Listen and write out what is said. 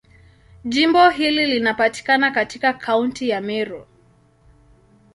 Jimbo hili linapatikana katika Kaunti ya Meru.